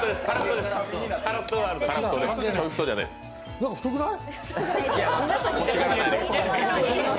なんか太くない？